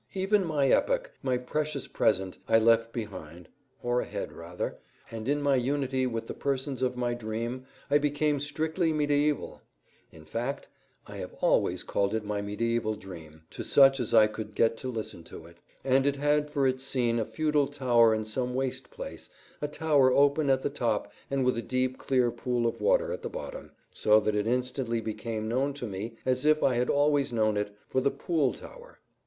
Even my epoch, my precious present, I left behind (or ahead, rather), and in my unity with the persons of my dream I became strictly mediæval. In fact, I have always called it my mediæval dream, to such as I could get to listen to it; and it had for its scene a feudal tower in some waste place, a tower open at the top and with a deep, clear pool of water at the bottom, so that it instantly became known to me, as if I had always known it, for the Pool Tower.